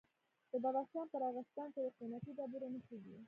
د بدخشان په راغستان کې د قیمتي ډبرو نښې دي.